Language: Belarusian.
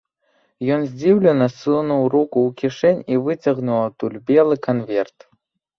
Ён здзіўлена сунуў руку ў кішэнь і выцягнуў адтуль белы канверт.